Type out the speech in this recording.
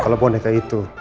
kalau boneka itu